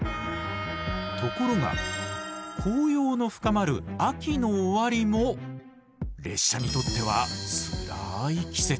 ところが紅葉の深まる秋の終わりも列車にとってはつらい季節。